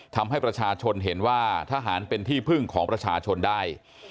ทำให้ประชาชนเห็นว่าทหารเป็นที่พึ่งของประชาชนได้